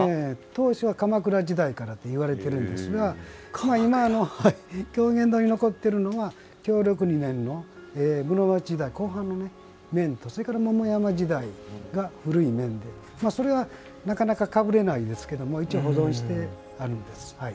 当初、鎌倉時代からといわれているんですが今残っているのが室町時代の後半の面とそれから、桃山時代が古い面でそれはなかなかかぶれないですが一応、保存してあります。